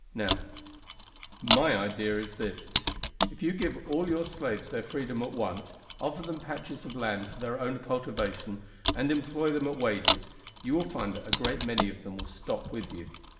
Now, my idea is this, if you give all your slaves their freedom at once, offer them patches of land for their own cultivation and employ them at wages, you will find that a great many of them will stop with you.